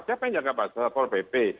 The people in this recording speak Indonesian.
siapa yang jaga pasar pol pp